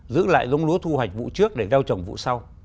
giữ lại giống lúa thu hoạch vụ trước để gieo trồng vụ sau